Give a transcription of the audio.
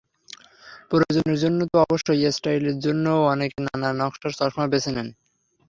প্রয়োজনের জন্য তো অবশ্যই, স্টাইলের জন্যও অনেকে নানা নকশার চশমা বেছে নেন।